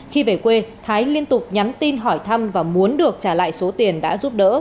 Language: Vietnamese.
khi về quê thái liên tục nhắn tin hỏi thăm và muốn được trả lại số tiền đã giúp đỡ